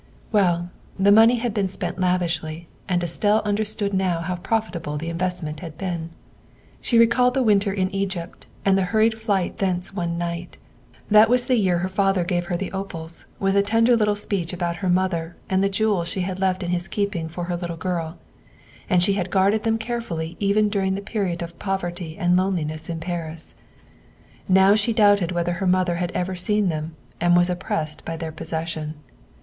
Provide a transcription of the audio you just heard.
'' Well, the money had been spent lavishly, and Estelle understood now how profitable the investment had been. She recalled the winter in Egypt and the hurried flight thence one night. That was the year her father gave her the opals, with a tender little speech about her mother and the jewels she had left in his keeping for her little girl. And she had guarded them carefully even during the period of poverty and loneliness in Paris. Now she doubted whether her mother had ever seen them, and was oppressed by their possession.